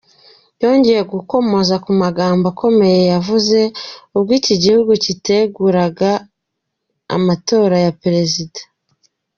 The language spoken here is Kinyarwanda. Yongeye gukomoza ku magambo akomeye yavuze ubwo iki gihugu kiteguraga amatora ya Perezida.